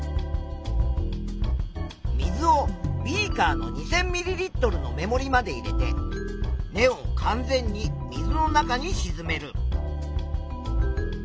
水をビーカーの２，０００ミリリットルの目もりまで入れて根を完全に水の中にしずめる。